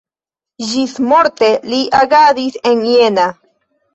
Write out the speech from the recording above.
Ĝismorte li agadis en Jena.